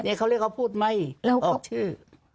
เดี๋ยวเขาเรียกเขาพูดไม่ออกชื่อ